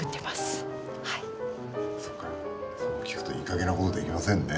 そっかそう聞くといいかげんなことできませんね。